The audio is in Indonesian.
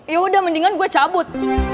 yaudah mendingan gue cabut